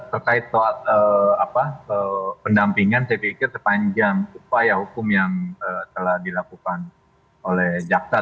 terkait soal pendampingan saya pikir sepanjang upaya hukum yang telah dilakukan oleh jaksa